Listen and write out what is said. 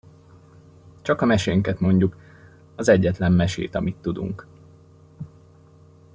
Csak a mesénket mondjuk, az egyetlen mesét, amit tudunk.